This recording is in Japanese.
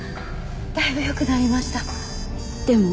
だいぶよくなりましたでも。